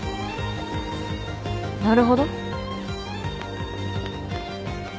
なるほど。